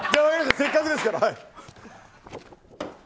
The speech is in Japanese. せっかくだから。